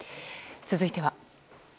続いては。